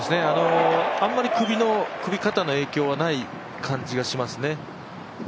あんまり首、肩の影響はない感じがしますね。